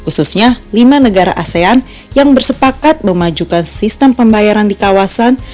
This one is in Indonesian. khususnya lima negara asean yang bersepakat memajukan sistem pembayaran di kawasan